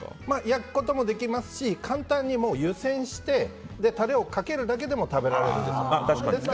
焼くこともできますし簡単に湯煎してタレをかけるだけでも食べられるんです。